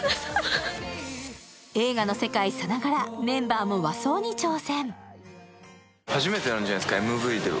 映画の世界さながら、メンバーも和装に挑戦。